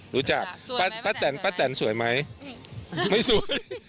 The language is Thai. รู้จักป้าแต่นสวยไหมไม่สวย